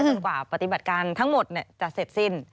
กว่าปฏิบัติการทั้งหมดจะเสร็จสิ้น